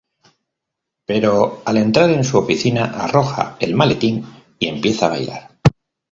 Pero al entrar en su oficina, arroja el maletín y empieza a bailar.